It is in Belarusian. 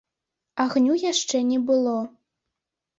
Агню яшчэ не было.